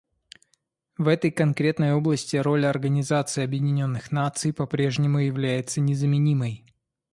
В этой конкретной области роль Организации Объединенных Наций по-прежнему является незаменимой.